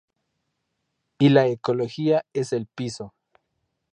Y la ecología es el piso.